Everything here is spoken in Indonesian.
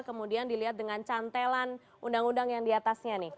kemudian dilihat dengan cantelan undang undang yang diatasnya nih